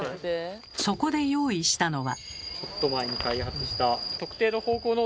そこで用意したのは。